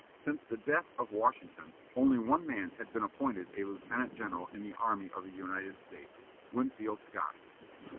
Since the death of Washington, only one man had been appointed a lieutenant general in the army of the United States, Winfield Scott.